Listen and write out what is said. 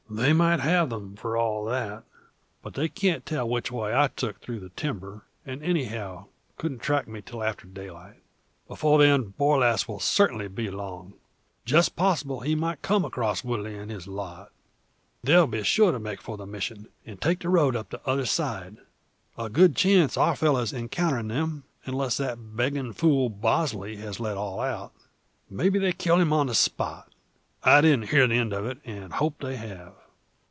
They might have them for all that. But they can't tell which way I took through the timber, and anyhow couldn't track me till after daylight. Before then Borlasse will certainly be along. Just possible he may come across Woodley and his lot. They'll be sure to make for the Mission, and take the road up t'other side. A good chance of our fellows encountering them, unless that begging fool, Bosley, has let all out. Maybe they killed him on the spot? I didn't hear the end of it, and hope they have."